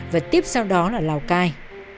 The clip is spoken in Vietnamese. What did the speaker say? và tiếp sau đó là lào cai